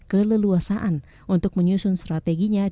keluluasaan untuk menyusun strateginya